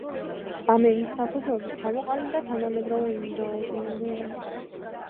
ამ ენის საფუძველზე ჩამოყალიბდა თანამედროვე ინდონეზიური ენა.